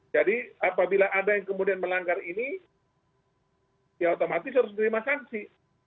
jadi apabila ada yang kemudian melanggar ini ya otomatis harus menerima sanksi